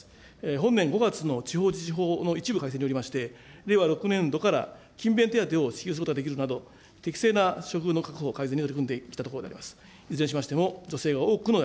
本年５月の地方自治法の一部改正によりまして、令和６年度から勤勉手当を支給することができるなど、適正な処遇の改善に取り組んでいったところであります。